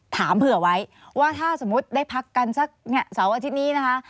ถามเผื่อไว้ว่าถ้าสมมุติได้พักกันสักเสาร์อาทิตย์นี้นะคะ